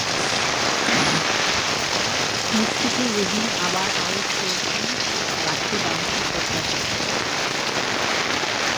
মুশফিকুর রহিম আবার আউট হয়েছেন বাড়তি বাউন্সের প্রত্যাশায়।